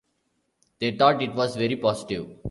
They thought it was very positive.